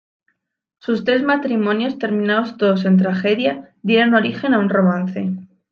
Sus tres matrimonios terminados todos en tragedia, dieron origen a un romance.